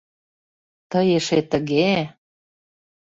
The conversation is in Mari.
— Тый эше тыге!